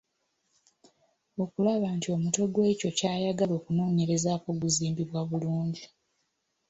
Okulaba nti omutwe gw’ekyo ky’ayagala okunoonyerezaako guzimbiddwa bulungi.